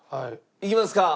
いきますか？